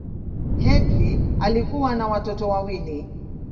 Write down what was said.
Headlee alikuwa na watoto wawili.